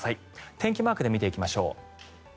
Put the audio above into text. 天気マークで見ていきましょう。